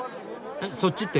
えっそっちって？